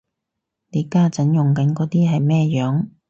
你家陣用緊嗰個係咩樣